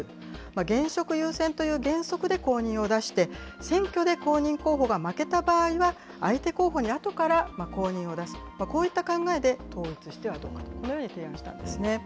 現職優先という原則で公認を出して、選挙で公認候補が負けた場合は、相手候補にあとから公認を出す、こういった考えで統一してはどうかと、このように提案したんですね。